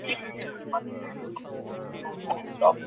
আমি না থাকলে আপনি লড়েই ছাড়তেন।